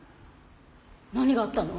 何があったの？